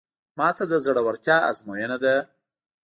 ماته د زړورتیا ازموینه ده.